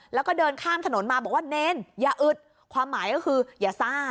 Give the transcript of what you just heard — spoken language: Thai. แล้วก็เดินข้ามถนนมาบอกว่าเนรอย่าอึดความหมายก็คืออย่าซ่า